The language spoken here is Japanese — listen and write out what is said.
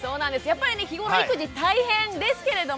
やっぱりね日頃育児大変ですけれども。